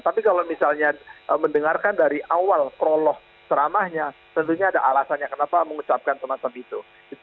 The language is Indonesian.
tapi kalau misalnya mendengarkan dari awal kroloh ceramahnya tentunya ada alasannya kenapa mengucapkan semacam itu